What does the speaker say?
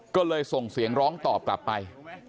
ก็เลยส่งเสียงร้องตอบกลับไป